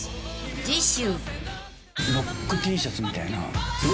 ［次週］